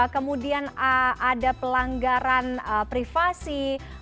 kemudian ada pelanggaran privasi